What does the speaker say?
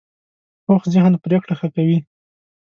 پوخ ذهن پرېکړه ښه کوي